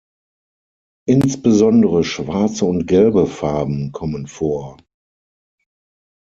Insbesondere schwarze und gelbe Farben kommen vor.